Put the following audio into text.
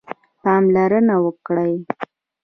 پاملرنه وکړئ